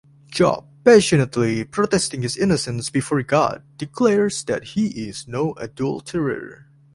Job, passionately protesting his innocence before God, declares that he is no adulterer.